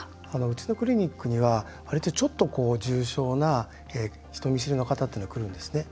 うちのクリニックには割と、ちょっと重症な人見知りの方っていうのが来るんですね。